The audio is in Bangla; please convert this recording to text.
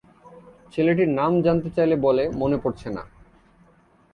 ছেলেটির নাম জানতে চাইলে বলে মনে পড়ছে না।